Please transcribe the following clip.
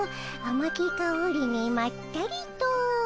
まきかおりにまったりと」。